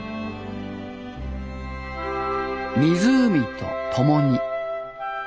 湖と共に。